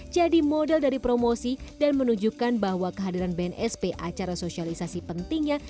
jadi model dari promosi dan menunjukkan bahwa kehadiran bnsp acara sosialisasi pentingnya